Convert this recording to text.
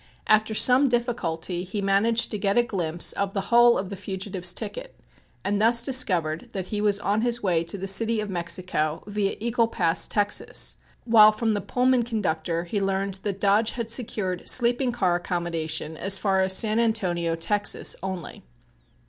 After some difficulty he managed to get a glimpse of the whole of the fugitive's ticket and thus discovered that he was on his way to the City of Mexico, via Eagle Pass, Texas, while from the Pullman conductor he learned that Dodge had secured sleeping car accommodation as far as San Antonio, Texas, only.